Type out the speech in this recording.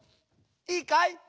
いいかい？